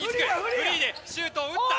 フリーでシュートを打った。